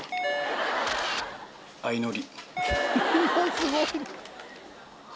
すごい！